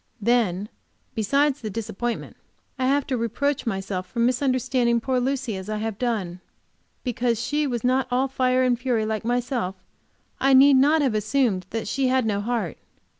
Then, besides this disappointment, I have to reproach myself for misunderstanding poor Lucy as I have done. Because she was not all fire and fury like myself, I need not have assumed that she had no heart.